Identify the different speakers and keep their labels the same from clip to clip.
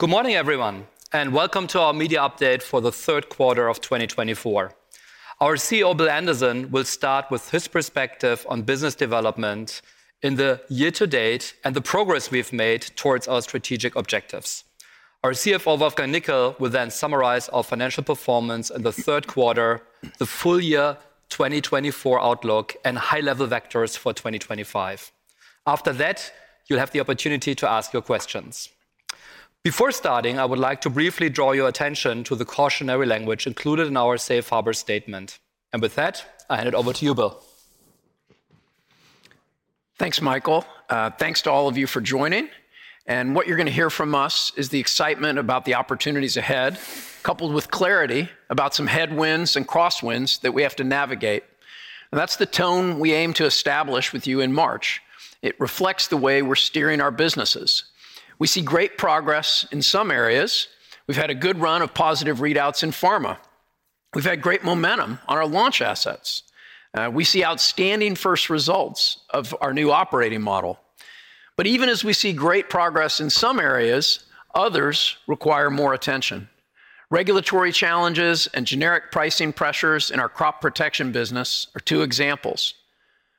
Speaker 1: Good morning, everyone, and welcome to our media update for the third quarter of 2024. Our CEO, Bill Anderson, will start with his perspective on business development in the year to date and the progress we've made towards our strategic objectives. Our CFO, Wolfgang Nickl, will then summarize our financial performance in the third quarter, the full year 2024 outlook, and high-level vectors for 2025. After that, you'll have the opportunity to ask your questions. Before starting, I would like to briefly draw your attention to the cautionary language included in our Safe Harbor Statement, and with that, I hand it over to you, Bill.
Speaker 2: Thanks, Michael. Thanks to all of you for joining. And what you're going to hear from us is the excitement about the opportunities ahead, coupled with clarity about some headwinds and crosswinds that we have to navigate. And that's the tone we aim to establish with you in March. It reflects the way we're steering our businesses. We see great progress in some areas. We've had a good run of positive readouts in pharma. We've had great momentum on our launch assets. We see outstanding first results of our new operating model. But even as we see great progress in some areas, others require more attention. Regulatory challenges and generic pricing pressures in our crop protection business are two examples.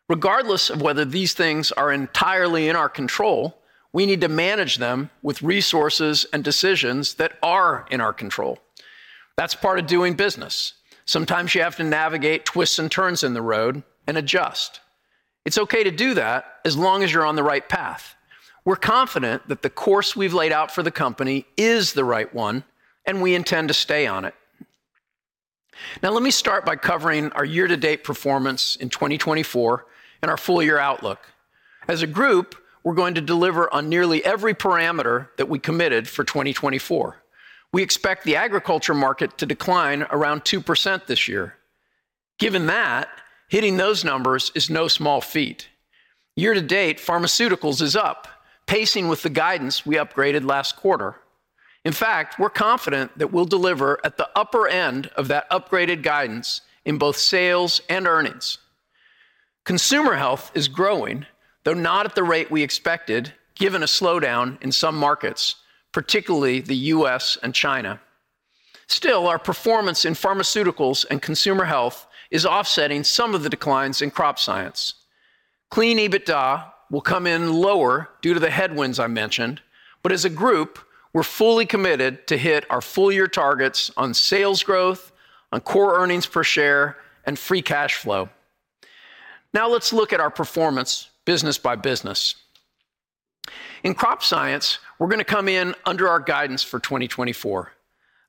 Speaker 2: Regardless of whether these things are entirely in our control, we need to manage them with resources and decisions that are in our control. That's part of doing business. Sometimes you have to navigate twists and turns in the road and adjust. It's okay to do that as long as you're on the right path. We're confident that the course we've laid out for the company is the right one, and we intend to stay on it. Now, let me start by covering our year-to-date performance in 2024 and our full year outlook. As a group, we're going to deliver on nearly every parameter that we committed for 2024. We expect the agriculture market to decline around 2% this year. Given that, hitting those numbers is no small feat. Year-to-date, Pharmaceuticals is up, pacing with the guidance we upgraded last quarter. In fact, we're confident that we'll deliver at the upper end of that upgraded guidance in both sales and earnings. Consumer Health is growing, though not at the rate we expected, given a slowdown in some markets, particularly the U.S. and China. Still, our performance in Pharmaceuticals and Consumer Health is offsetting some of the declines in Crop Science. Clean EBITDA will come in lower due to the headwinds I mentioned, but as a group, we're fully committed to hit our full year targets on sales growth, on core earnings per share, and free cash flow. Now, let's look at our performance business by business. In Crop Science, we're going to come in under our guidance for 2024.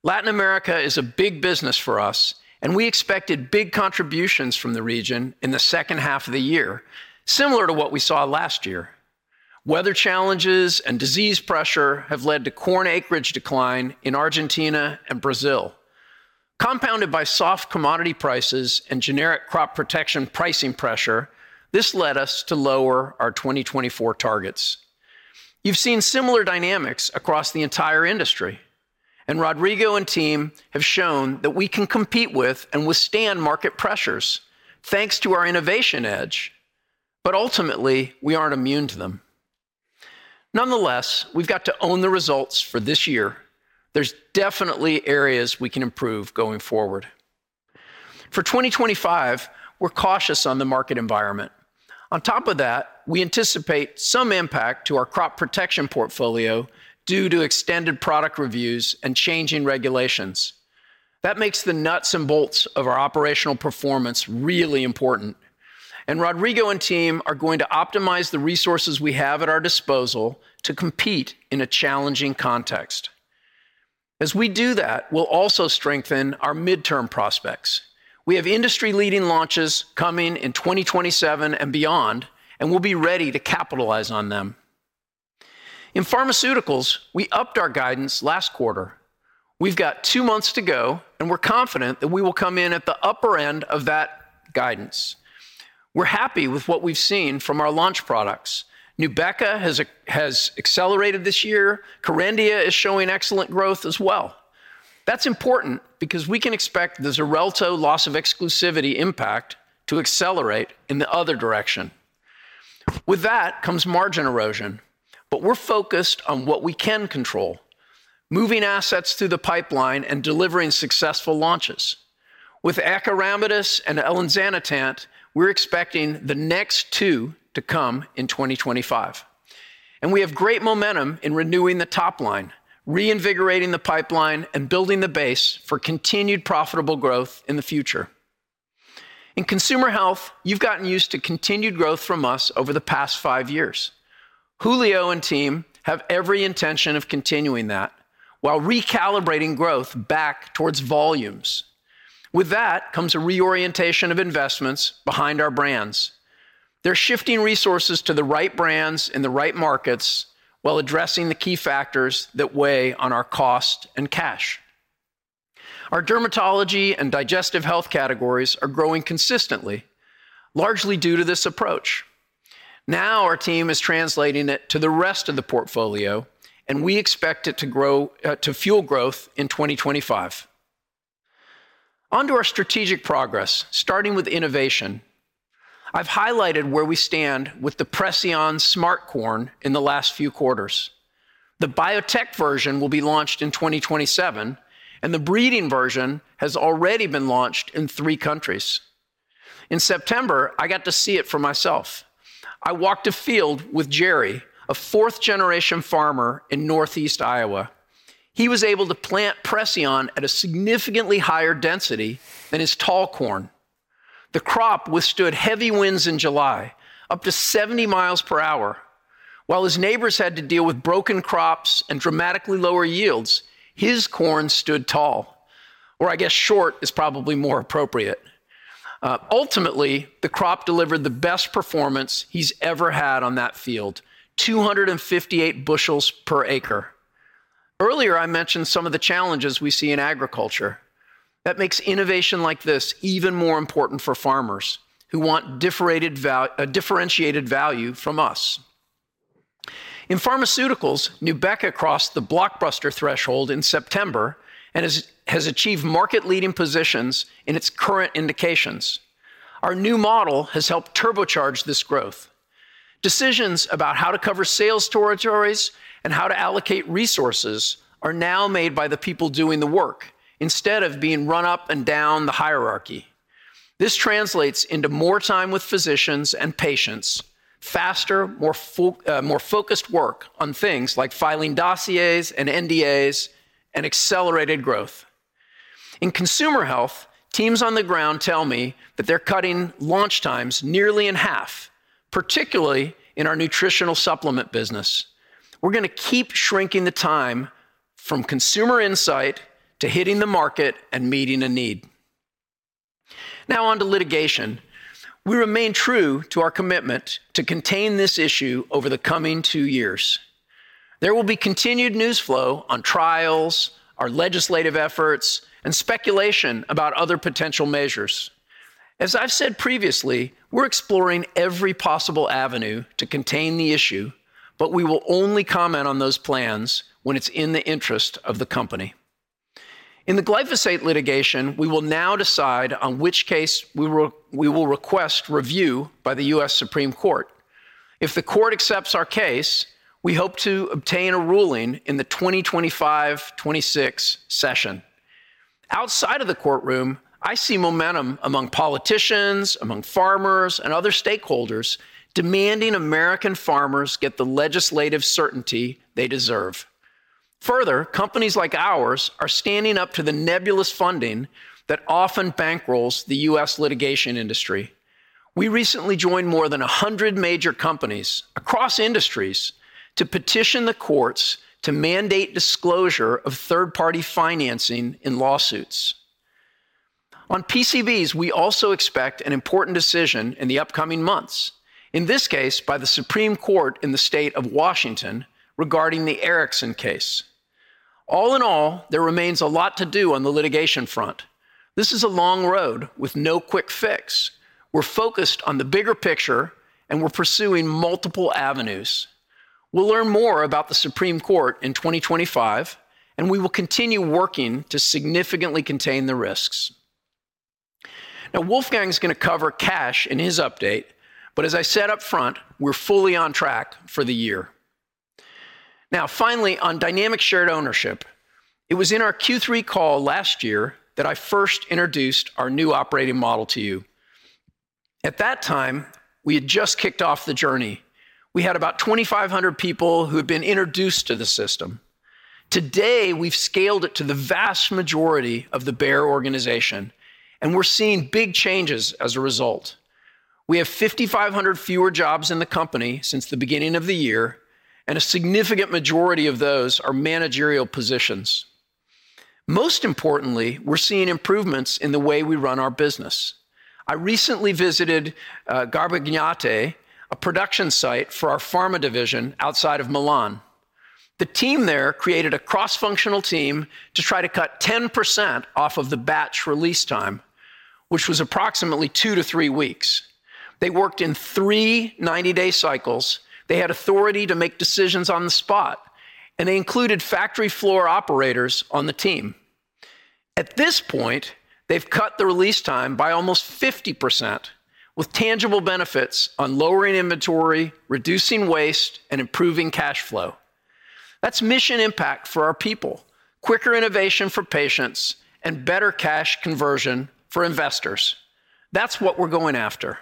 Speaker 2: Latin America is a big business for us, and we expected big contributions from the region in the second half of the year, similar to what we saw last year. Weather challenges and disease pressure have led to corn acreage decline in Argentina and Brazil. Compounded by soft commodity prices and generic crop protection pricing pressure, this led us to lower our 2024 targets. You've seen similar dynamics across the entire industry, and Rodrigo and team have shown that we can compete with and withstand market pressures thanks to our innovation edge, but ultimately, we aren't immune to them. Nonetheless, we've got to own the results for this year. There's definitely areas we can improve going forward. For 2025, we're cautious on the market environment. On top of that, we anticipate some impact to our crop protection portfolio due to extended product reviews and changing regulations. That makes the nuts and bolts of our operational performance really important, and Rodrigo and team are going to optimize the resources we have at our disposal to compete in a challenging context. As we do that, we'll also strengthen our midterm prospects. We have industry-leading launches coming in 2027 and beyond, and we'll be ready to capitalize on them. In Pharmaceuticals, we upped our guidance last quarter. We've got two months to go, and we're confident that we will come in at the upper end of that guidance. We're happy with what we've seen from our launch products. Nubeqa has accelerated this year. Kerendia is showing excellent growth as well. That's important because we can expect the Xarelto loss of exclusivity impact to accelerate in the other direction. With that comes margin erosion, but we're focused on what we can control, moving assets through the pipeline and delivering successful launches. With Acoramidis and Elinzanetant, we're expecting the next two to come in 2025. And we have great momentum in renewing the top line, reinvigorating the pipeline, and building the base for continued profitable growth in the future. In Consumer Health, you've gotten used to continued growth from us over the past five years. Julio and team have every intention of continuing that while recalibrating growth back towards volumes. With that comes a reorientation of investments behind our brands. They're shifting resources to the right brands in the right markets while addressing the key factors that weigh on our cost and cash. Our dermatology and digestive health categories are growing consistently, largely due to this approach. Now our team is translating it to the rest of the portfolio, and we expect it to fuel growth in 2025. On to our strategic progress, starting with innovation. I've highlighted where we stand with the Preceon Smart Corn in the last few quarters. The biotech version will be launched in 2027, and the breeding version has already been launched in three countries. In September, I got to see it for myself. I walked a field with Jerry, a fourth-generation farmer in northeast Iowa. He was able to plant Preceon at a significantly higher density than his tall corn. The crop withstood heavy winds in July, up to 70 mi per hour. While his neighbors had to deal with broken crops and dramatically lower yields, his corn stood tall. Or I guess short is probably more appropriate. Ultimately, the crop delivered the best performance he's ever had on that field, 258 bushels per acre. Earlier, I mentioned some of the challenges we see in agriculture. That makes innovation like this even more important for farmers who want differentiated value from us. In Pharmaceuticals, Nubeqa crossed the blockbuster threshold in September and has achieved market-leading positions in its current indications. Our new model has helped turbocharge this growth. Decisions about how to cover sales territories and how to allocate resources are now made by the people doing the work instead of being run up and down the hierarchy. This translates into more time with physicians and patients, faster, more focused work on things like filing dossiers and NDAs, and accelerated growth. In Consumer Health, teams on the ground tell me that they're cutting launch times nearly in half, particularly in our nutritional supplement business. We're going to keep shrinking the time from consumer insight to hitting the market and meeting a need. Now on to litigation. We remain true to our commitment to contain this issue over the coming two years. There will be continued news flow on trials, our legislative efforts, and speculation about other potential measures. As I've said previously, we're exploring every possible avenue to contain the issue, but we will only comment on those plans when it's in the interest of the company. In the glyphosate litigation, we will now decide on which case we will request review by the U.S. Supreme Court. If the court accepts our case, we hope to obtain a ruling in the 2025-26 session. Outside of the courtroom, I see momentum among politicians, among farmers, and other stakeholders demanding American farmers get the legislative certainty they deserve. Further, companies like ours are standing up to the nebulous funding that often bankrolls the U.S. litigation industry. We recently joined more than 100 major companies across industries to petition the courts to mandate disclosure of third-party financing in lawsuits. On PCBs, we also expect an important decision in the upcoming months, in this case by the Supreme Court in the state of Washington regarding the Erickson case. All in all, there remains a lot to do on the litigation front. This is a long road with no quick fix. We're focused on the bigger picture, and we're pursuing multiple avenues. We'll learn more about the Supreme Court in 2025, and we will continue working to significantly contain the risks. Now, Wolfgang is going to cover cash in his update, but as I said upfront, we're fully on track for the year. Now, finally, on Dynamic Shared Ownership, it was in our Q3 call last year that I first introduced our new operating model to you. At that time, we had just kicked off the journey. We had about 2,500 people who had been introduced to the system. Today, we've scaled it to the vast majority of the Bayer organization, and we're seeing big changes as a result. We have 5,500 fewer jobs in the company since the beginning of the year, and a significant majority of those are managerial positions. Most importantly, we're seeing improvements in the way we run our business. I recently visited Garbagnate, a production site for our Pharma division outside of Milan. The team there created a cross-functional team to try to cut 10% off of the batch release time, which was approximately two to three weeks. They worked in three 90-day cycles. They had authority to make decisions on the spot, and they included factory floor operators on the team. At this point, they've cut the release time by almost 50%, with tangible benefits on lowering inventory, reducing waste, and improving cash flow. That's mission impact for our people, quicker innovation for patients, and better cash conversion for investors. That's what we're going after.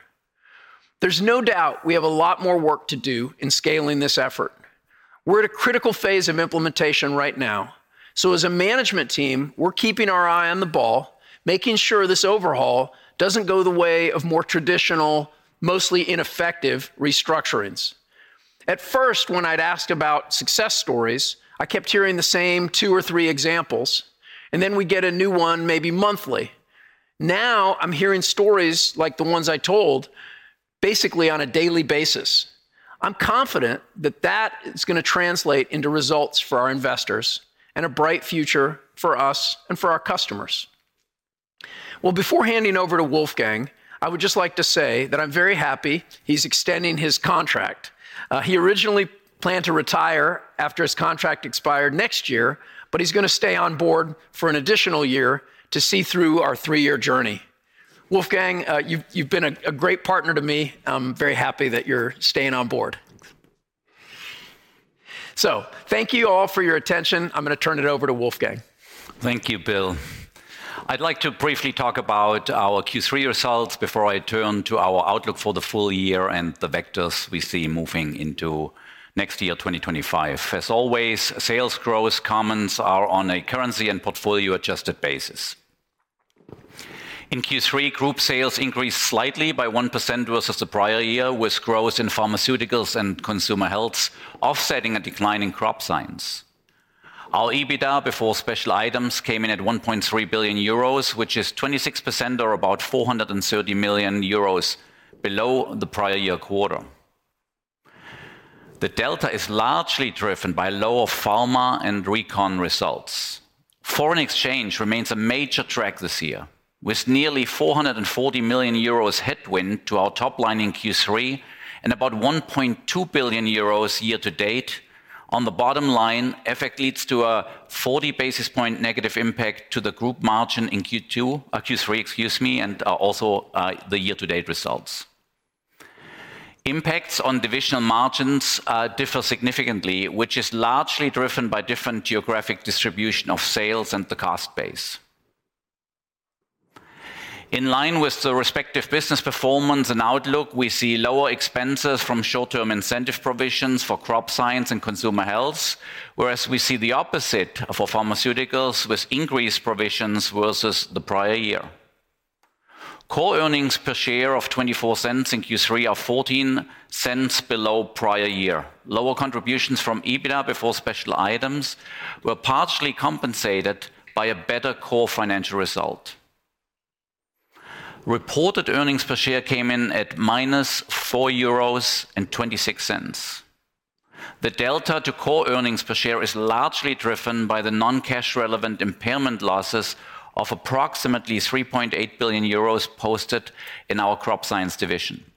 Speaker 2: There's no doubt we have a lot more work to do in scaling this effort. We're at a critical phase of implementation right now. So as a management team, we're keeping our eye on the ball, making sure this overhaul doesn't go the way of more traditional, mostly ineffective restructurings. At first, when I'd ask about success stories, I kept hearing the same two or three examples, and then we'd get a new one maybe monthly. Now I'm hearing stories like the ones I told, basically on a daily basis. I'm confident that that is going to translate into results for our investors and a bright future for us and for our customers. Well, before handing over to Wolfgang, I would just like to say that I'm very happy he's extending his contract. He originally planned to retire after his contract expired next year, but he's going to stay on board for an additional year to see through our three-year journey. Wolfgang, you've been a great partner to me. I'm very happy that you're staying on board. So thank you all for your attention. I'm going to turn it over to Wolfgang.
Speaker 3: Thank you, Bill. I'd like to briefly talk about our Q3 results before I turn to our outlook for the full year and the vectors we see moving into next year, 2025. As always, sales growth comments are on a currency and portfolio-adjusted basis. In Q3, group sales increased slightly by 1% versus the prior year, with growth in Pharmaceuticals and Consumer Health offsetting a decline in Crop Science. Our EBITDA before special items came in at 1.3 billion euros, which is 26% or about 430 million euros below the prior year quarter. The delta is largely driven by lower Pharma and Crop Science results. Foreign exchange remains a major drag this year, with nearly 440 million euros headwind to our top line in Q3 and about 1.2 billion euros year-to-date. On the bottom line, FX effect leads to a 40 basis point negative impact to the group margin in Q2, Q3, excuse me, and also the year-to-date results. Impacts on divisional margins differ significantly, which is largely driven by different geographic distribution of sales and the cost base. In line with the respective business performance and outlook, we see lower expenses from short-term incentive provisions for Crop Science and Consumer Health, whereas we see the opposite for Pharmaceuticals with increased provisions versus the prior year. Core earnings per share of 0.24 in Q3 are 0.14 below prior year. Lower contributions from EBITDA before special items were partially compensated by a better core financial result. Reported earnings per share came in at 4.26 euros. The delta to core earnings per share is largely driven by the non-cash relevant impairment losses of approximately 3.8 billion euros posted in our Crop Science division.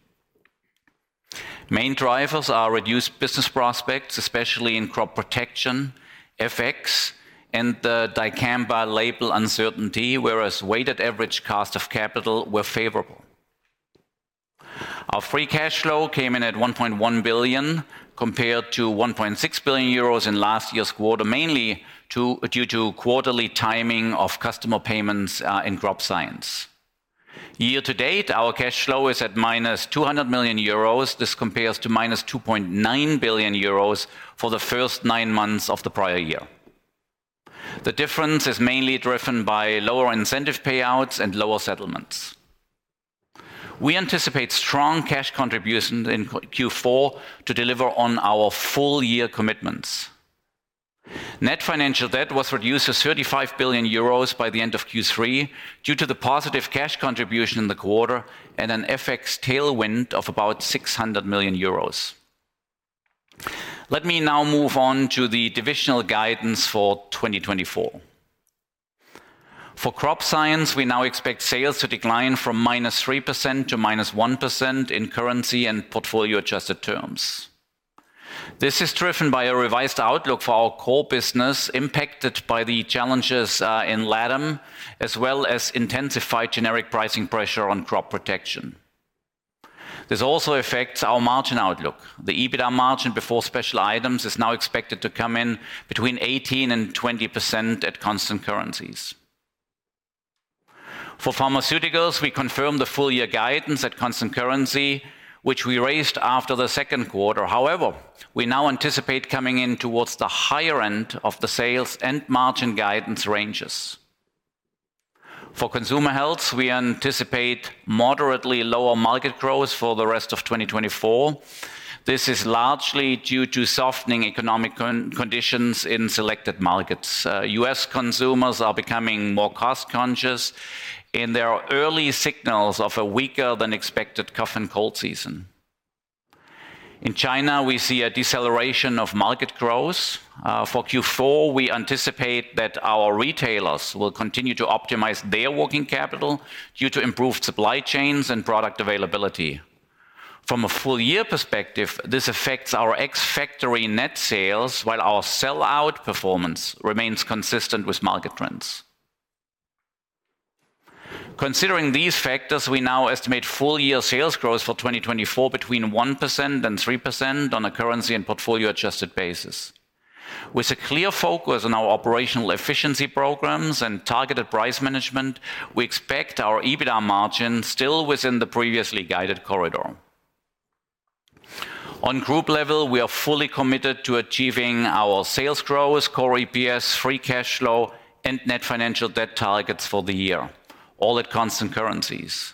Speaker 3: Main drivers are reduced business prospects, especially in crop protection, FX, and the dicamba label uncertainty, whereas weighted average cost of capital were favorable. Our free cash flow came in at 1.1 billion compared to 1.6 billion euros in last year's quarter, mainly due to quarterly timing of customer payments in Crop Science. Year-to-date, our cash flow is at 200 million euros. This compares to 2.9 billion euros for the first nine months of the prior year. The difference is mainly driven by lower incentive payouts and lower settlements. We anticipate strong cash contributions in Q4 to deliver on our full-year commitments. Net financial debt was reduced to 35 billion euros by the end of Q3 due to the positive cash contribution in the quarter and an FX tailwind of about 600 million euros. Let me now move on to the divisional guidance for 2024. For Crop Science, we now expect sales to decline from minus 3% to minus 1% in currency and portfolio-adjusted terms. This is driven by a revised outlook for our core business impacted by the challenges in LATAM, as well as intensified generic pricing pressure on crop protection. This also affects our margin outlook. The EBITDA margin before special items is now expected to come in between 18 and 20% at constant currencies. For Pharmaceuticals, we confirmed the full-year guidance at constant currency, which we raised after the second quarter. However, we now anticipate coming in towards the higher end of the sales and margin guidance ranges. For Consumer Health, we anticipate moderately lower market growth for the rest of 2024. This is largely due to softening economic conditions in selected markets. U.S. consumers are becoming more cost-conscious, and there are early signals of a weaker-than-expected cough and cold season. In China, we see a deceleration of market growth. For Q4, we anticipate that our retailers will continue to optimize their working capital due to improved supply chains and product availability. From a full-year perspective, this affects our ex-factory net sales, while our sell-out performance remains consistent with market trends. Considering these factors, we now estimate full-year sales growth for 2024 between 1% and 3% on a currency and portfolio-adjusted basis. With a clear focus on our operational efficiency programs and targeted price management, we expect our EBITDA margin still within the previously guided corridor. On group level, we are fully committed to achieving our sales growth, core EPS, free cash flow, and net financial debt targets for the year, all at constant currencies.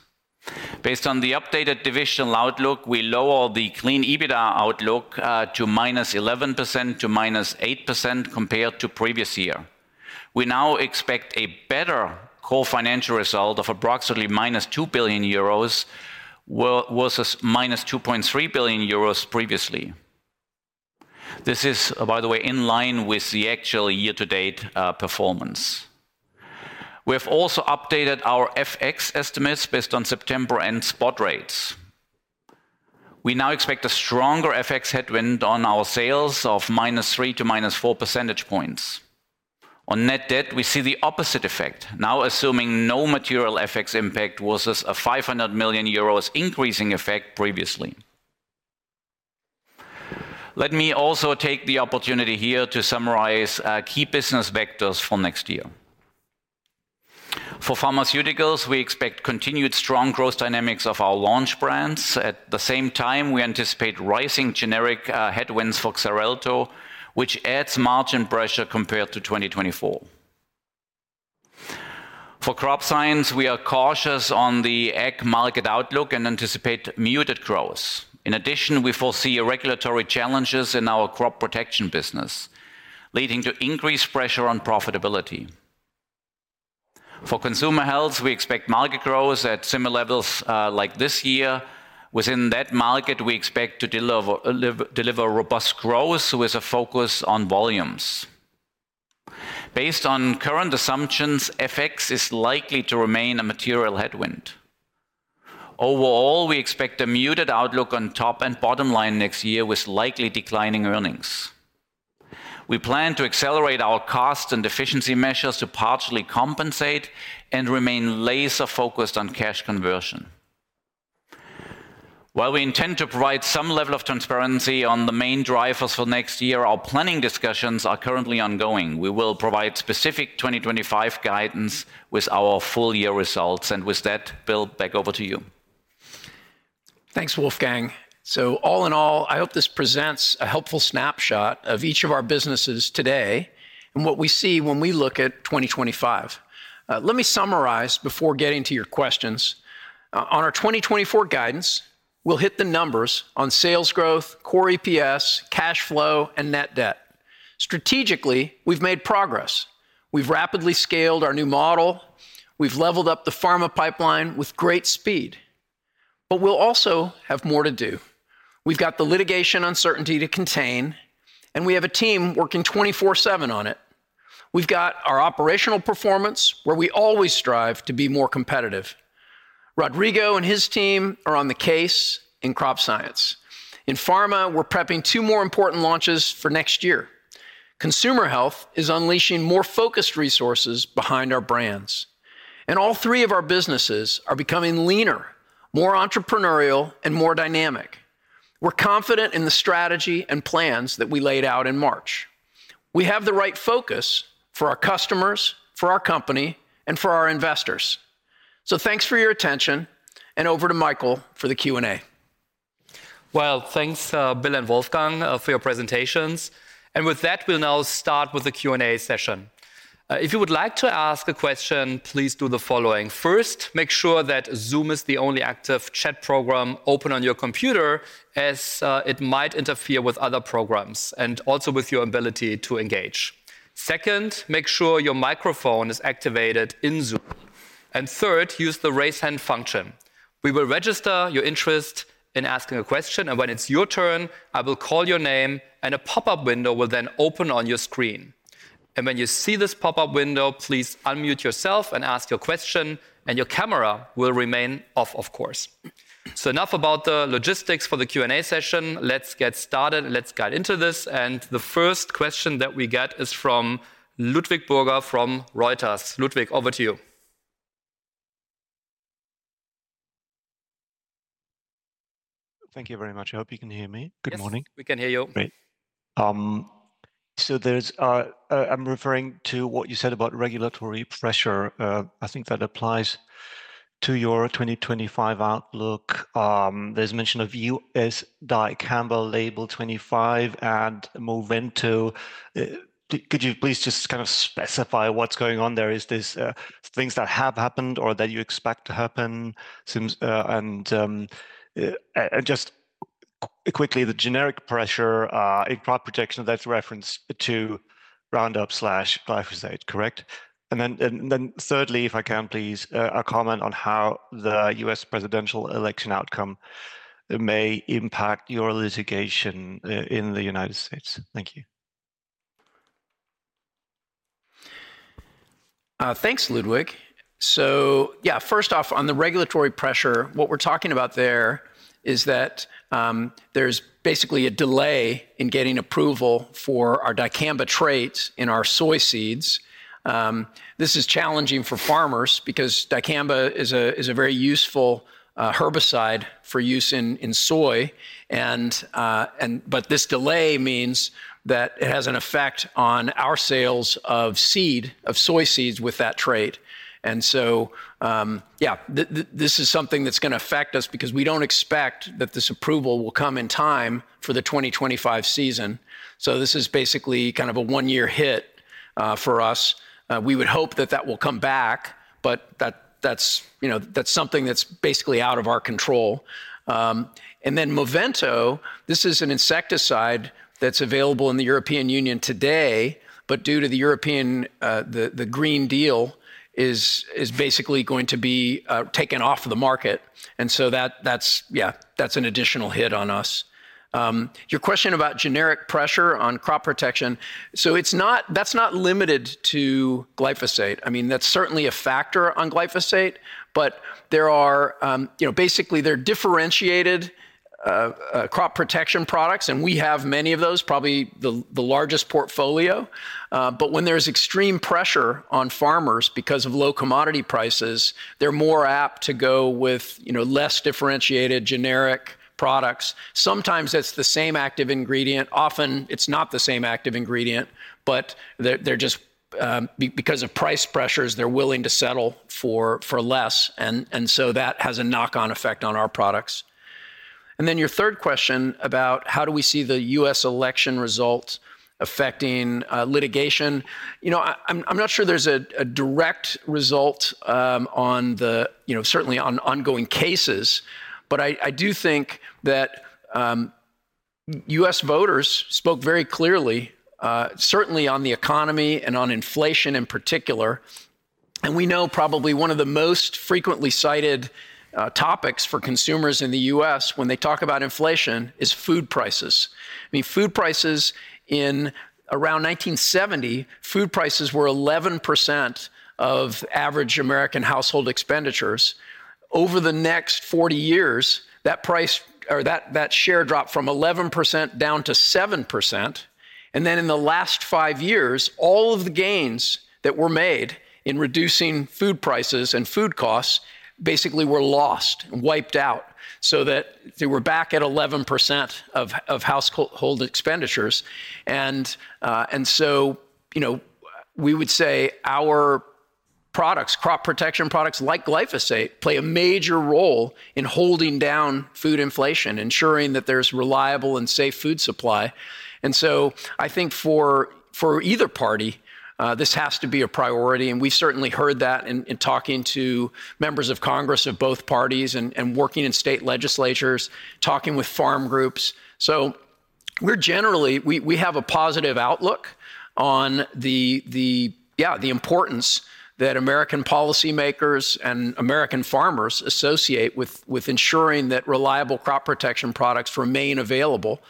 Speaker 3: Based on the updated divisional outlook, we lower the clean EBITDA outlook to -11% to -8% compared to previous year. We now expect a better core financial result of approximately 2 billion euros versus -2.3 billion euros previously. This is, by the way, in line with the actual year-to-date performance. We have also updated our FX estimates based on September and spot rates. We now expect a stronger FX headwind on our sales of -3 to -4 percentage points. On net debt, we see the opposite effect, now assuming no material FX impact versus a 500 million euros increasing effect previously. Let me also take the opportunity here to summarize key business vectors for next year. For Pharmaceuticals, we expect continued strong growth dynamics of our launch brands. At the same time, we anticipate rising generic headwinds for Xarelto, which adds margin pressure compared to 2024. For Crop Science, we are cautious on the ag market outlook and anticipate muted growth. In addition, we foresee regulatory challenges in our crop protection business, leading to increased pressure on profitability. For Consumer Health, we expect market growth at similar levels like this year. Within that market, we expect to deliver robust growth with a focus on volumes. Based on current assumptions, FX is likely to remain a material headwind. Overall, we expect a muted outlook on top and bottom line next year with likely declining earnings. We plan to accelerate our cost and efficiency measures to partially compensate and remain laser-focused on cash conversion. While we intend to provide some level of transparency on the main drivers for next year, our planning discussions are currently ongoing. We will provide specific 2025 guidance with our full-year results, and with that, Bill, back over to you.
Speaker 2: Thanks, Wolfgang. So all in all, I hope this presents a helpful snapshot of each of our businesses today and what we see when we look at 2025. Let me summarize before getting to your questions. On our 2024 guidance, we'll hit the numbers on sales growth, Core EPS, cash flow, and net debt. Strategically, we've made progress. We've rapidly scaled our new model. We've leveled up the Pharma Pipeline with great speed. We'll also have more to do. We've got the litigation uncertainty to contain, and we have a team working 24/7 on it. We've got our operational performance, where we always strive to be more competitive. Rodrigo and his team are on the case in Crop Science. In Pharma, we're prepping two more important launches for next year. Consumer Health is unleashing more focused resources behind our brands. And all three of our businesses are becoming leaner, more entrepreneurial, and more dynamic. We're confident in the strategy and plans that we laid out in March. We have the right focus for our customers, for our company, and for our investors. Thanks for your attention, and over to Michael for the Q&A.
Speaker 1: Thanks, Bill and Wolfgang, for your presentations, and with that, we'll now start with the Q&A session. If you would like to ask a question, please do the following. First, make sure that Zoom is the only active chat program open on your computer, as it might interfere with other programs and also with your ability to engage. Second, make sure your microphone is activated in Zoom. And third, use the raise hand function. We will register your interest in asking a question, and when it's your turn, I will call your name, and a pop-up window will then open on your screen. And when you see this pop-up window, please unmute yourself and ask your question, and your camera will remain off, of course. So enough about the logistics for the Q&A session. Let's get started. Let's get into this. And the first question that we get is from Ludwig Burger from Reuters. Ludwig, over to you.
Speaker 4: Thank you very much. I hope you can hear me. Good morning. We can hear you. Great. So I'm referring to what you said about regulatory pressure. I think that applies to your 2025 outlook. There's mention of U.S. dicamba label 25 and Movento. Could you please just kind of specify what's going on there? Is this things that have happened or that you expect to happen? And just quickly, the generic pressure in crop protection, that's reference to Roundup/Glyphosate, correct? And then thirdly, if I can, please, a comment on how the U.S. presidential election outcome may impact your litigation in the United States. Thank you.
Speaker 2: Thanks, Ludwig. So yeah, first off, on the regulatory pressure, what we're talking about there is that there's basically a delay in getting approval for our dicamba traits in our soy seeds. This is challenging for farmers because dicamba is a very useful herbicide for use in soy, but this delay means that it has an effect on our sales of soy seeds with that trait, and so yeah, this is something that's going to affect us because we don't expect that this approval will come in time for the 2025 season, so this is basically kind of a one-year hit for us. We would hope that that will come back, but that's something that's basically out of our control, and then Movento, this is an insecticide that's available in the European Union today, but due to the European Green Deal, is basically going to be taken off the market, and so yeah, that's an additional hit on us. Your question about generic pressure on crop protection, so that's not limited to glyphosate. I mean, that's certainly a factor on glyphosate, but basically, they're differentiated crop protection products, and we have many of those, probably the largest portfolio. But when there's extreme pressure on farmers because of low commodity prices, they're more apt to go with less differentiated generic products. Sometimes it's the same active ingredient. Often, it's not the same active ingredient, but because of price pressures, they're willing to settle for less. And so that has a knock-on effect on our products. And then your third question about how do we see the U.S. election results affecting litigation. I'm not sure there's a direct result on certainly on ongoing cases, but I do think that U.S. voters spoke very clearly, certainly on the economy and on inflation in particular. And we know probably one of the most frequently cited topics for consumers in the U.S. When they talk about inflation, it's food prices. I mean, food prices in around 1970, food prices were 11% of average American household expenditures. Over the next 40 years, that share dropped from 11% down to 7%, and then in the last five years, all of the gains that were made in reducing food prices and food costs basically were lost and wiped out so that they were back at 11% of household expenditures, and so we would say our products, crop protection products like glyphosate, play a major role in holding down food inflation, ensuring that there's reliable and safe food supply, and so I think for either party, this has to be a priority, and we certainly heard that in talking to members of Congress of both parties and working in state legislatures, talking with farm groups. So we have a positive outlook on the importance that American policymakers and American farmers associate with ensuring that reliable crop protection products remain available.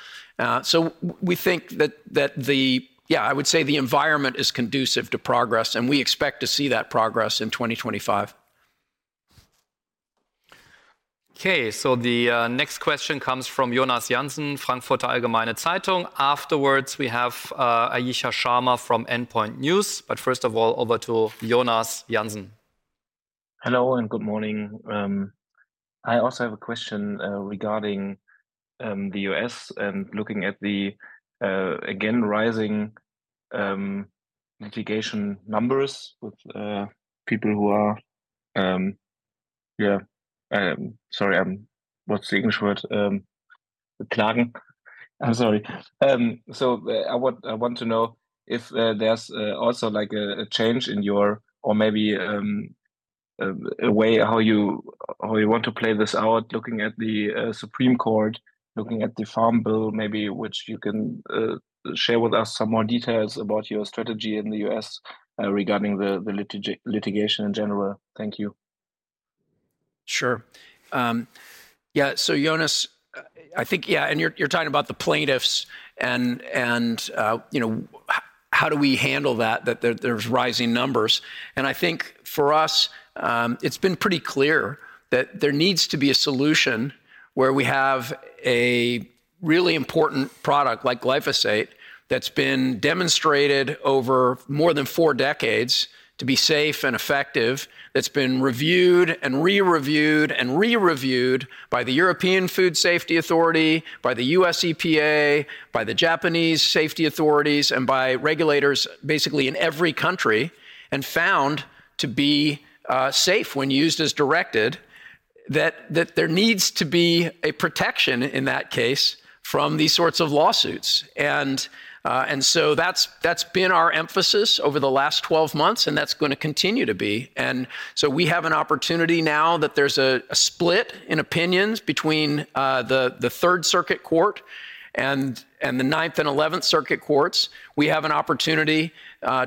Speaker 2: So we think that, yeah, I would say the environment is conducive to progress, and we expect to see that progress in 2025.
Speaker 1: Okay, so the next question comes from Jonas Jansen, Frankfurter Allgemeine Zeitung. Afterwards, we have Ayisha Sharma from Endpoints News. But first of all, over to Jonas Jansen. Hello and good morning. I also have a question regarding the U.S. and looking at the, again, rising litigation numbers with people who are, yeah, sorry, what's the English word? Klagen. I'm sorry.
Speaker 5: So I want to know if there's also a change in your, or maybe a way how you want to play this out, looking at the Supreme Court, looking at the Farm Bill, maybe, which you can share with us some more details about your strategy in the U.S. regarding the litigation in general. Thank you. Sure. Yeah, so Jonas, I think, yeah, and you're talking about the plaintiffs and how do we handle that, that there's rising numbers.
Speaker 2: I think for us, it's been pretty clear that there needs to be a solution where we have a really important product like glyphosate that's been demonstrated over more than four decades to be safe and effective, that's been reviewed and re-reviewed and re-reviewed by the European Food Safety Authority, by the U.S. EPA, by the Japanese safety authorities, and by regulators basically in every country, and found to be safe when used as directed, that there needs to be a protection in that case from these sorts of lawsuits. That's been our emphasis over the last 12 months, and that's going to continue to be. We have an opportunity now that there's a split in opinions between the Third Circuit Court and the Ninth and Eleventh Circuit Courts. We have an opportunity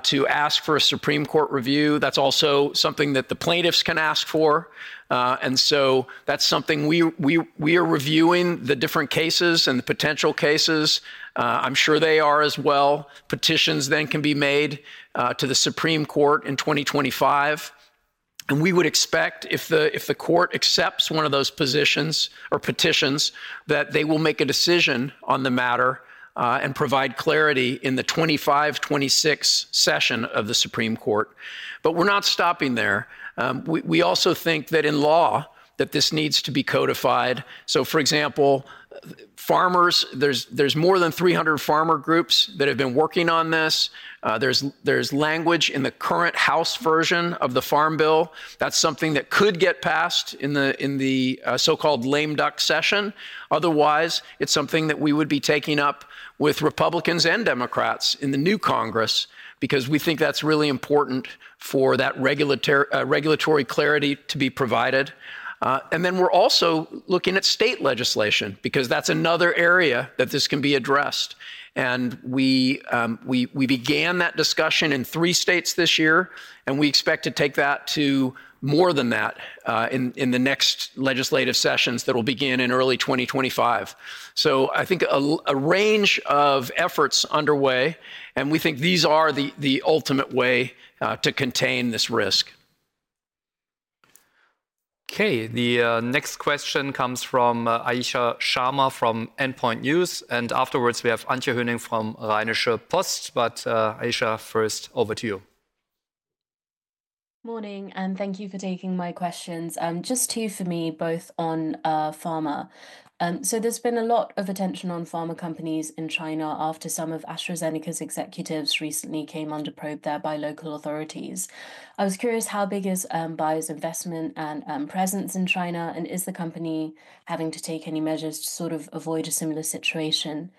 Speaker 2: to ask for a Supreme Court review. That's also something that the plaintiffs can ask for, and so that's something we are reviewing, the different cases and the potential cases. I'm sure they are as well. Petitions then can be made to the Supreme Court in 2025, and we would expect if the court accepts one of those positions or petitions, that they will make a decision on the matter and provide clarity in the 2025-26 session of the Supreme Court, but we're not stopping there. We also think that in law, that this needs to be codified, so for example, farmers, there's more than 300 farmer groups that have been working on this. There's language in the current House version of the Farm Bill. That's something that could get passed in the so-called lame duck session. Otherwise, it's something that we would be taking up with Republicans and Democrats in the new Congress because we think that's really important for that regulatory clarity to be provided. And then we're also looking at state legislation because that's another area that this can be addressed. And we began that discussion in three states this year, and we expect to take that to more than that in the next legislative sessions that will begin in early 2025. So I think a range of efforts underway, and we think these are the ultimate way to contain this risk.
Speaker 1: Okay, the next question comes from Ayisha Sharma from Endpoints News. And afterwards, we have Antje Höning from Rheinische Post. But Ayesha, first, over to you.
Speaker 6: Morning, and thank you for taking my questions. Just two for me, both on pharma. So there's been a lot of attention on pharma companies in China after some of AstraZeneca's executives recently came under probe there by local authorities. I was curious, how big is Bayer's investment and presence in China, and is the company having to take any measures to sort of avoid a similar situation?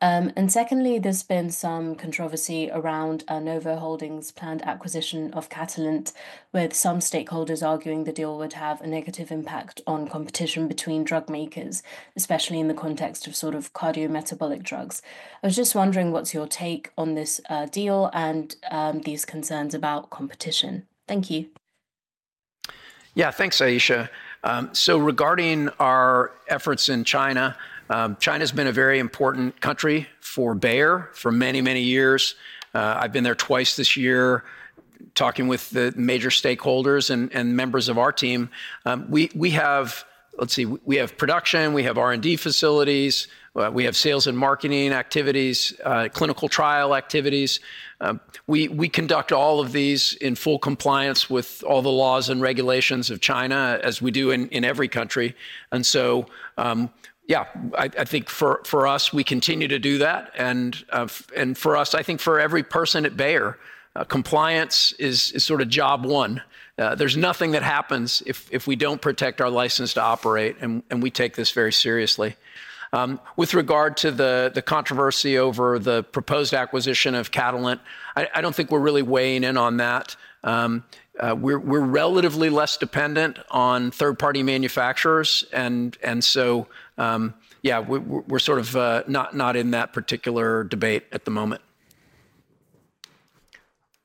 Speaker 6: And secondly, there's been some controversy around Novo Holdings' planned acquisition of Catalent, with some stakeholders arguing the deal would have a negative impact on competition between drug makers, especially in the context of sort of cardiometabolic drugs. I was just wondering what's your take on this deal and these concerns about competition? Thank you.
Speaker 2: Yeah, thanks, Ayesha. So regarding our efforts in China, China has been a very important country for Bayer for many, many years. I've been there twice this year talking with the major stakeholders and members of our team. We have, let's see, we have production, we have R&D facilities, we have sales and marketing activities, clinical trial activities. We conduct all of these in full compliance with all the laws and regulations of China, as we do in every country. And so yeah, I think for us, we continue to do that. And for us, I think for every person at Bayer, compliance is sort of job one. There's nothing that happens if we don't protect our license to operate, and we take this very seriously. With regard to the controversy over the proposed acquisition of Catalent, I don't think we're really weighing in on that. We're relatively less dependent on third-party manufacturers. And so yeah, we're sort of not in that particular debate at the moment.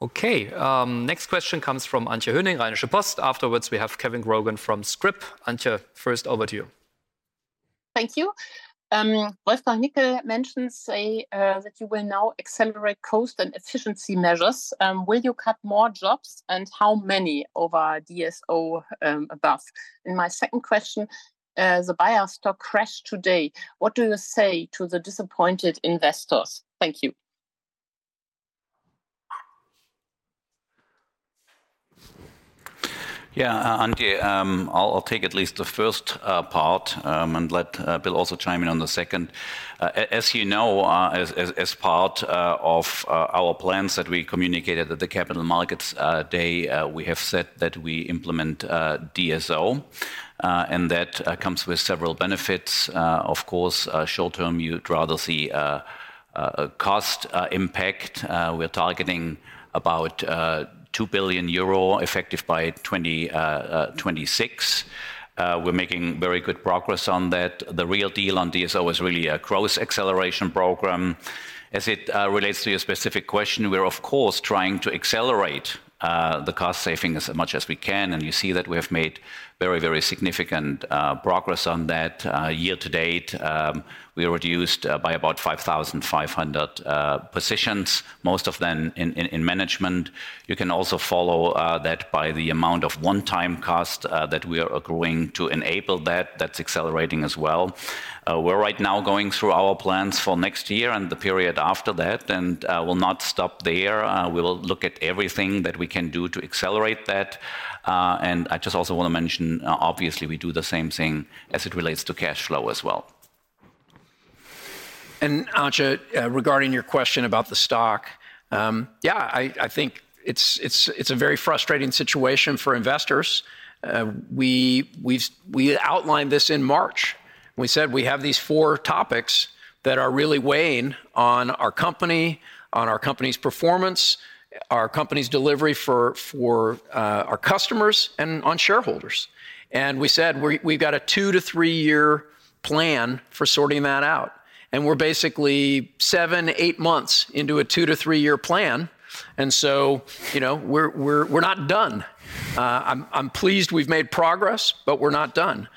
Speaker 1: Okay, next question comes from Antje Höning, Rheinische Post. Afterwards, we have Kevin Grogan from Scrip. Antje, first, over to you.
Speaker 7: Thank you. Wolfgang Nickl mentioned that you will now accelerate cost and efficiency measures. Will you cut more jobs and how many over DSO above? And my second question, the Bayer stock crashed today. What do you say to the disappointed investors? Thank you.
Speaker 3: Yeah, Antje, I'll take at least the first part and let Bill also chime in on the second. As you know, as part of our plans that we communicated at the Capital Markets Day, we have said that we implement DSO, and that comes with several benefits. Of course, short term, you'd rather see a cost impact. We're targeting about 2 billion euro effective by 2026. We're making very good progress on that. The real deal on DSO is really a growth acceleration program. As it relates to your specific question, we're, of course, trying to accelerate the cost saving as much as we can. You see that we have made very, very significant progress on that. Year to date, we reduced by about 5,500 positions, most of them in management. You can also follow that by the amount of one-time cost that we are accruing to enable that. That's accelerating as well. We're right now going through our plans for next year and the period after that, and we'll not stop there. We will look at everything that we can do to accelerate that. I just also want to mention, obviously, we do the same thing as it relates to cash flow as well.
Speaker 2: Antje, regarding your question about the stock, yeah, I think it's a very frustrating situation for investors. We outlined this in March. We said we have these four topics that are really weighing on our company, on our company's performance, our company's delivery for our customers, and on shareholders, and we said we've got a two to three-year plan for sorting that out, and we're basically seven, eight months into a two to three-year plan, and so we're not done. I'm pleased we've made progress, but we're not done.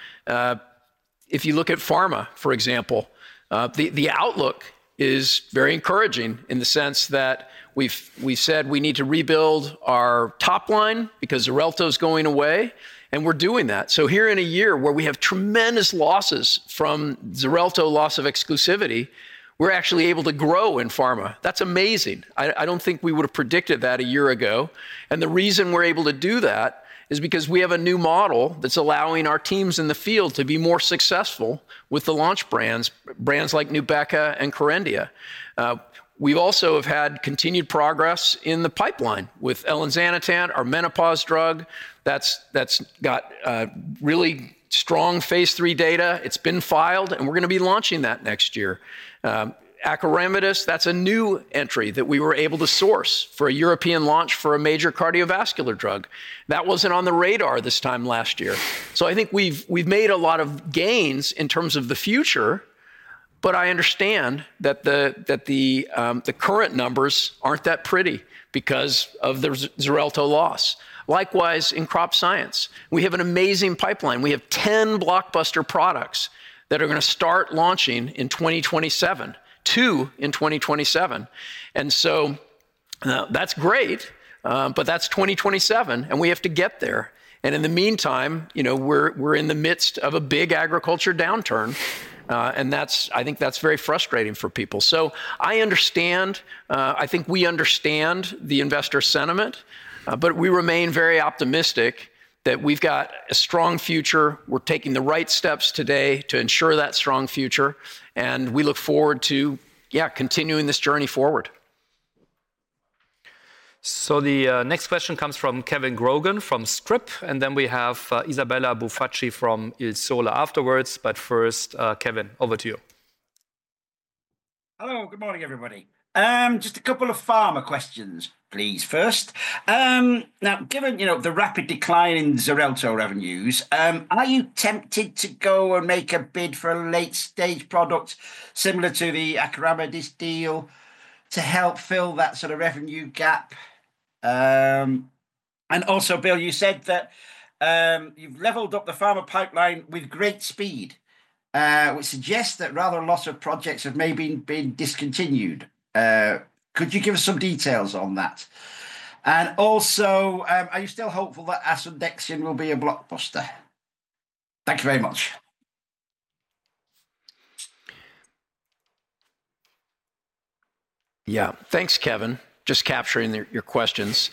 Speaker 2: If you look at pharma, for example, the outlook is very encouraging in the sense that we said we need to rebuild our top line because Xarelto is going away, and we're doing that, so here in a year where we have tremendous losses from Xarelto loss of exclusivity, we're actually able to grow in pharma. That's amazing. I don't think we would have predicted that a year ago. The reason we're able to do that is because we have a new model that's allowing our teams in the field to be more successful with the launch brands, brands like Nubeqa and Kerendia. We also have had continued progress in the pipeline with Elinzanetant, our menopause drug. That's got really strong phase three data. It's been filed, and we're going to be launching that next year. Acoramidis, that's a new entry that we were able to source for a European launch for a major cardiovascular drug. That wasn't on the radar this time last year. So I think we've made a lot of gains in terms of the future, but I understand that the current numbers aren't that pretty because of the Xarelto loss. Likewise, in Crop Science, we have an amazing pipeline. We have 10 blockbuster products that are going to start launching in 2027, two in 2027, and so that's great, but that's 2027, and we have to get there and in the meantime, we're in the midst of a big agriculture downturn, and I think that's very frustrating for people. So I understand, I think we understand the investor sentiment, but we remain very optimistic that we've got a strong future. We're taking the right steps today to ensure that strong future, and we look forward to, yeah, continuing this journey forward.
Speaker 1: So the next question comes from Kevin Grogan from Scrip, and then we have Isabella Bufacchi from Il Sole afterwards. But first, Kevin, over to you.
Speaker 8: Hello, good morning, everybody. Just a couple of pharma questions, please, first. Now, given the rapid decline in Xarelto revenues, are you tempted to go and make a bid for a late-stage product similar to the Acoramidis deal to help fill that sort of revenue gap? And also, Bill, you said that you've leveled up the Pharma Pipeline with great speed, which suggests that rather a lot of projects have maybe been discontinued. Could you give us some details on that? And also, are you still hopeful that Asundexian will be a blockbuster? Thank you very much.
Speaker 2: Yeah, thanks, Kevin, just capturing your questions.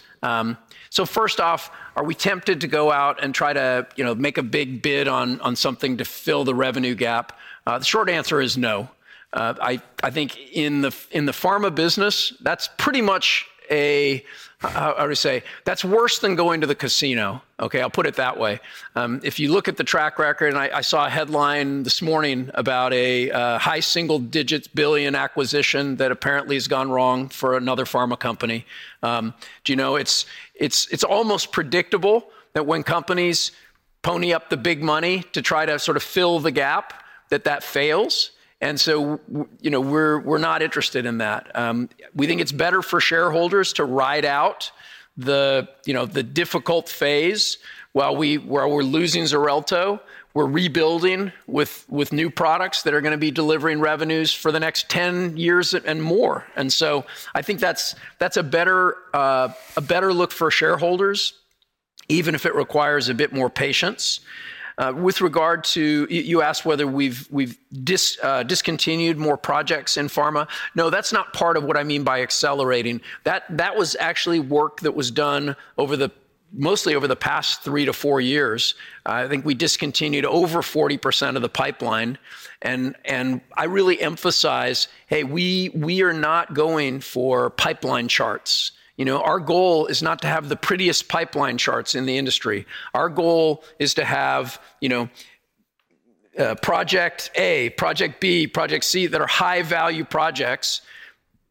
Speaker 2: So first off, are we tempted to go out and try to make a big bid on something to fill the revenue gap? The short answer is no. I think in the pharma business, that's pretty much a, how do you say, that's worse than going to the casino, okay? I'll put it that way. If you look at the track record, and I saw a headline this morning about a high single-digit billion acquisition that apparently has gone wrong for another pharma company. It's almost predictable that when companies pony up the big money to try to sort of fill the gap, that that fails. And so we're not interested in that. We think it's better for shareholders to ride out the difficult phase while we're losing Xarelto, we're rebuilding with new products that are going to be delivering revenues for the next 10 years and more. And so I think that's a better look for shareholders, even if it requires a bit more patience. With regard to, you asked whether we've discontinued more projects in Pharma. No, that's not part of what I mean by accelerating. That was actually work that was done mostly over the past three to four years. I think we discontinued over 40% of the pipeline. And I really emphasize, hey, we are not going for pipeline charts. Our goal is not to have the prettiest pipeline charts in the industry. Our goal is to have Project A, Project B, Project C that are high-value projects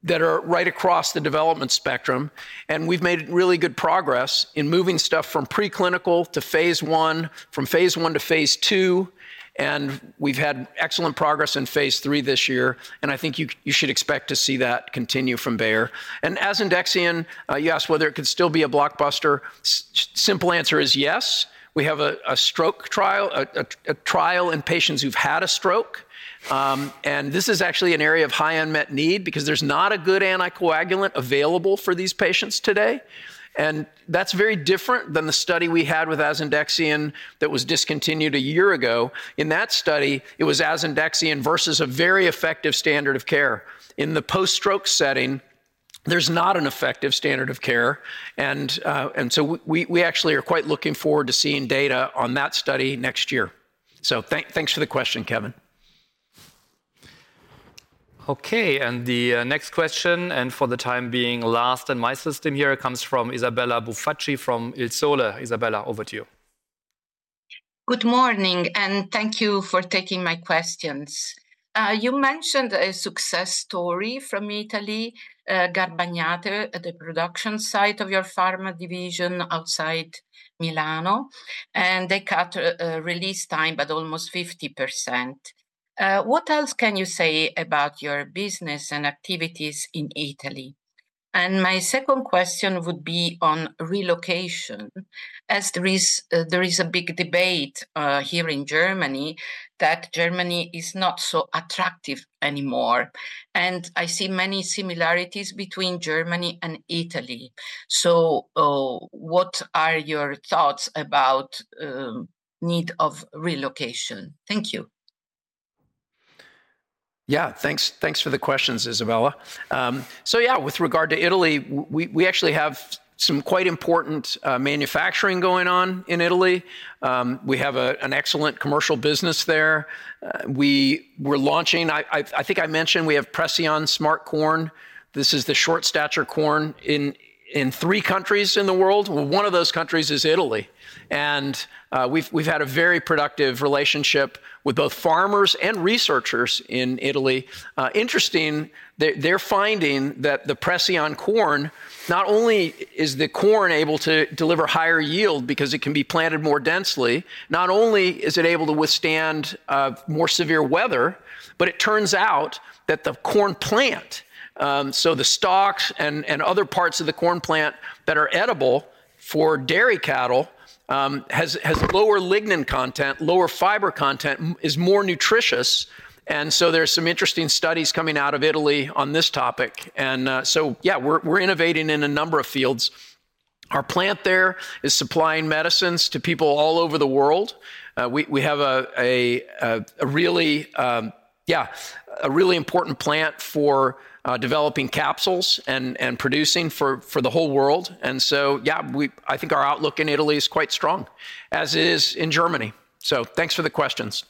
Speaker 2: that are right across the development spectrum. And we've made really good progress in moving stuff from preclinical to phase one, from phase one to phase two. And we've had excellent progress in phase three this year. And I think you should expect to see that continue from Bayer. And Asundexian, you asked whether it could still be a blockbuster. Simple answer is yes. We have a stroke trial, a trial in patients who've had a stroke. And this is actually an area of high unmet need because there's not a good anticoagulant available for these patients today. That's very different than the study we had with Asundexian that was discontinued a year ago. In that study, it was Asundexian versus a very effective standard of care. In the post-stroke setting, there's not an effective standard of care. And so we actually are quite looking forward to seeing data on that study next year. So thanks for the question, Kevin.
Speaker 1: Okay, and the next question, and for the time being, last in my system here, comes from Isabella Bufacchi from Il Sole. Isabella, over to you.
Speaker 9: Good morning, and thank you for taking my questions. You mentioned a success story from Italy, Garbagnate, the production site of your Pharma division outside Milano, and they cut release time by almost 50%. What else can you say about your business and activities in Italy? And my second question would be on relocation, as there is a big debate here in Germany that Germany is not so attractive anymore. And I see many similarities between Germany and Italy. So what are your thoughts about the need of relocation? Thank you.
Speaker 2: Yeah, thanks for the questions, Isabella. So yeah, with regard to Italy, we actually have some quite important manufacturing going on in Italy. We have an excellent commercial business there. We're launching, I think I mentioned, we have Preceon Smart Corn. This is the short-stature corn in three countries in the world. One of those countries is Italy. And we've had a very productive relationship with both farmers and researchers in Italy. Interesting, they're finding that the Preceon corn, not only is the corn able to deliver higher yield because it can be planted more densely, not only is it able to withstand more severe weather, but it turns out that the corn plant, so the stalks and other parts of the corn plant that are edible for dairy cattle, has lower lignin content, lower fiber content, is more nutritious, and so there's some interesting studies coming out of Italy on this topic. And so yeah, we're innovating in a number of fields. Our plant there is supplying medicines to people all over the world. We have a really, yeah, a really important plant for developing capsules and producing for the whole world. And so yeah, I think our outlook in Italy is quite strong, as is in Germany. So thanks for the questions.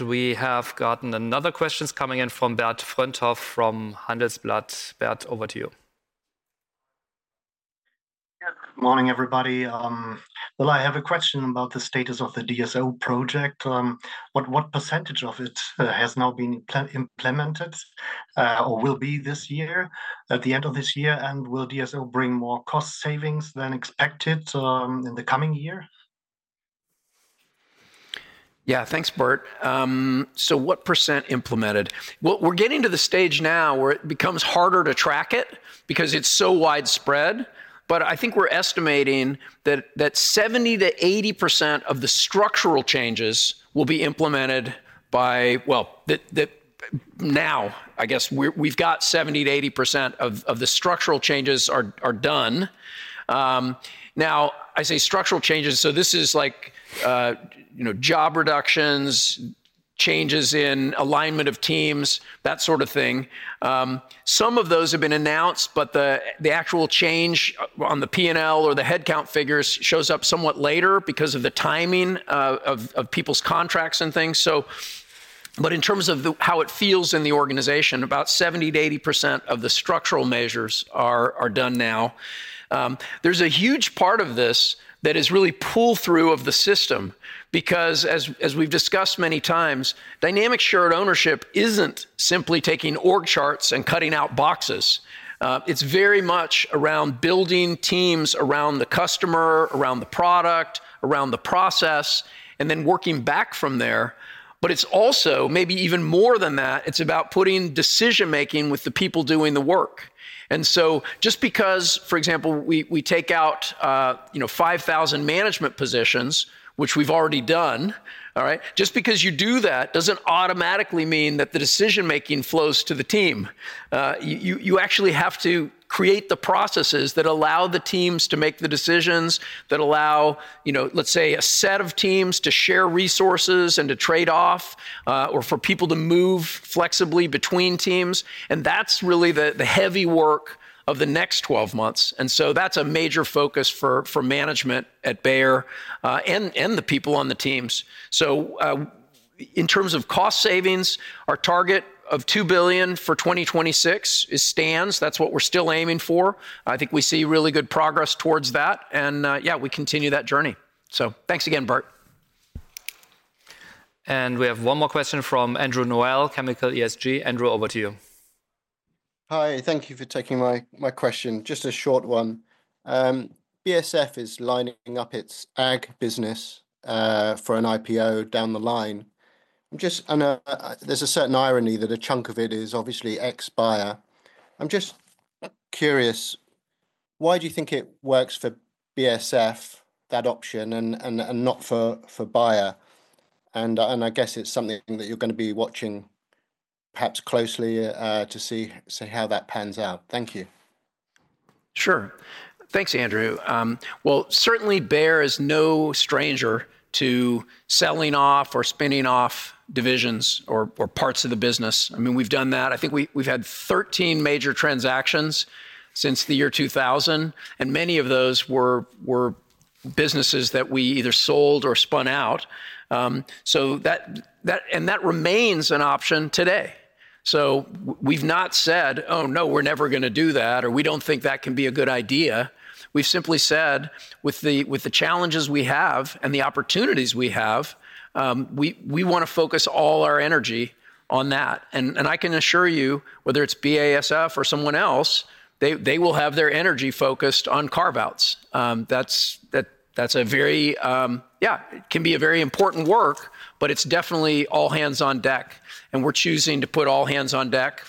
Speaker 1: We have gotten another question coming in from Bert Fröndhoff from Handelsblatt. Bert, over to you.
Speaker 10: Good morning, everybody. I have a question about the status of the DSO project. What percentage of it has now been implemented or will be this year, at the end of this year, and will DSO bring more cost savings than expected in the coming year?
Speaker 2: Yeah, thanks, Bert. So what percent implemented? We're getting to the stage now where it becomes harder to track it because it's so widespread. But I think we're estimating that 70%-80% of the structural changes will be implemented by, well, now. I guess we've got 70%-80% of the structural changes are done. Now, I say structural changes, so this is like job reductions, changes in alignment of teams, that sort of thing. Some of those have been announced, but the actual change on the P&L or the headcount figures shows up somewhat later because of the timing of people's contracts and things. But in terms of how it feels in the organization, about 70%-80% of the structural measures are done now. There's a huge part of this that is really pull-through of the system because, as we've discussed many times, dynamic shared ownership isn't simply taking org charts and cutting out boxes. It's very much around building teams around the customer, around the product, around the process, and then working back from there. But it's also maybe even more than that. It's about putting decision-making with the people doing the work. And so just because, for example, we take out 5,000 management positions, which we've already done, all right, just because you do that doesn't automatically mean that the decision-making flows to the team. You actually have to create the processes that allow the teams to make the decisions, that allow, let's say, a set of teams to share resources and to trade off, or for people to move flexibly between teams. And that's really the heavy work of the next 12 months. And so that's a major focus for management at Bayer and the people on the teams. So in terms of cost savings, our target of 2 billion for 2026 stands. That's what we're still aiming for. I think we see really good progress towards that. And yeah, we continue that journey. So thanks again, Bert.
Speaker 1: And we have one more question from Andrew Noel, Chemicals & ESG. Andrew, over to you.
Speaker 11: Hi, thank you for taking my question. Just a short one. BASF is lining up its ag business for an IPO down the line. There's a certain irony that a chunk of it is obviously ex-Bayer. I'm just curious, why do you think it works for BASF, that option, and not for Bayer? And I guess it's something that you're going to be watching perhaps closely to see how that pans out. Thank you.
Speaker 2: Sure. Thanks, Andrew. Well, certainly, Bayer is no stranger to selling off or spinning off divisions or parts of the business. I mean, we've done that. I think we've had 13 major transactions since the year 2000, and many of those were businesses that we either sold or spun out. And that remains an option today. So we've not said, "Oh, no, we're never going to do that," or, "We don't think that can be a good idea." We've simply said, "With the challenges we have and the opportunities we have, we want to focus all our energy on that." And I can assure you, whether it's BASF or someone else, they will have their energy focused on carve-outs. That's a very, yeah, it can be a very important work, but it's definitely all hands on deck. And we're choosing to put all hands on deck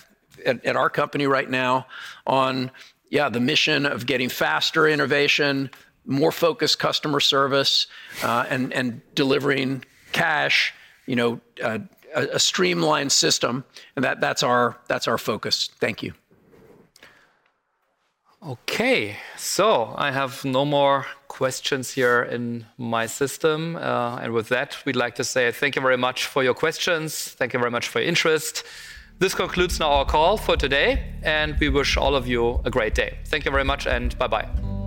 Speaker 2: at our company right now on, yeah, the mission of getting faster innovation, more focused customer service, and delivering cash, a streamlined system. And that's our focus. Thank you.
Speaker 1: Okay, so I have no more questions here in my system. And with that, we'd like to say thank you very much for your questions. Thank you very much for your interest. This concludes now our call for today, and we wish all of you a great day. Thank you very much, and bye-bye.